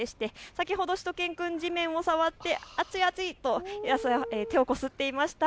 先ほどしゅと犬くん、地面を触って熱い熱いと手をこすっていました。